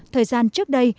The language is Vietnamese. thời gian trước đây